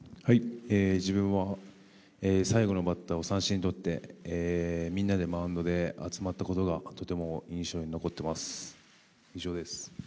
自分は最後のバッターを三振にとってみんなでマウンドで集まったことがとても印象に残っています。